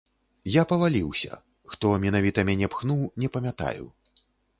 Я паваліўся, хто менавіта мяне пхнуў, не памятаю.